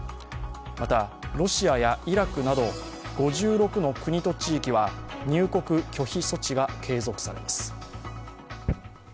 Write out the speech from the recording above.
また、ロシアやイラクなど５６の国と地域は入国拒否措置が継続されます。